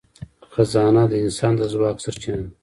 خزانه د انسان د ځواک سرچینه ده.